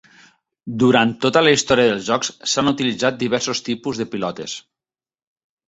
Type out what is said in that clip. Durant tota la història del joc s'han utilitzat diversos tipus de pilotes.